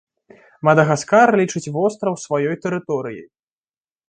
Мадагаскар лічыць востраў сваёй тэрыторыяй.